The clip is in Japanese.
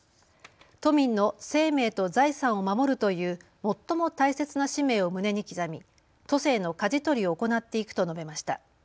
都民の生命と財産を守るという最も大切な使命を胸に刻み都政のかじ取りを行っていくと述べました。